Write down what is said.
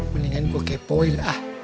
mendingan gue kepoin lah